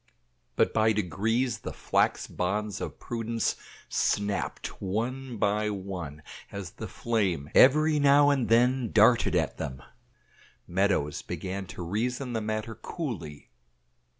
But by degrees the flax bonds of prudence snapped one by one as the flame every now and then darted at them. Meadows began to reason the matter coolly.